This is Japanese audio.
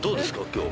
今日。